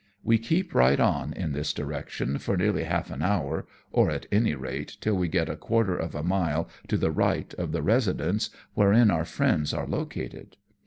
We keep right on in this direction for nearly half an hour, or, at any rate, till we get a quarter of a mile to the right of the residence wherein our friends are located.